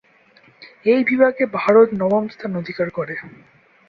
এই বিভাগে ভারত নবম স্থান অধিকার করে।